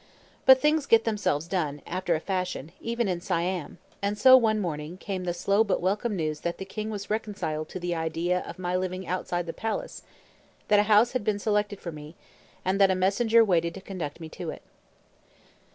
But things get themselves done, after a fashion, even in Siam; and so, one morning, came the slow but welcome news that the king was reconciled to the idea of my living outside the palace, that a house had been selected for me, and a messenger waited to conduct me to it.